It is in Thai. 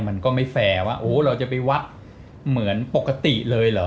มันก็ไม่แฟร์ว่าโอ้เราจะไปวัดเหมือนปกติเลยเหรอ